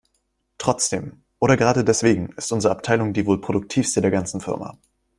Trotzdem - oder gerade deswegen - ist unsere Abteilung die wohl produktivste der ganzen Firma.